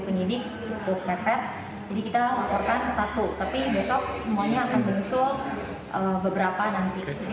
penyidik cukup mepet jadi kita laporkan satu tapi besok semuanya akan menyusul beberapa nanti